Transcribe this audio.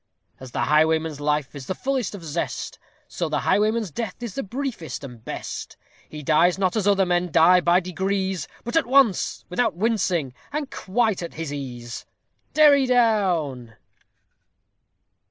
_ As the highwayman's life is the fullest of zest, So the highwayman's death is the briefest and best; He dies not as other men die, by degrees! But AT ONCE! without wincing, and quite at his ease! _Derry down.